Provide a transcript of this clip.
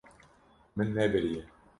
Min nebiriye.